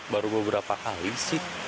baru beberapa kali sih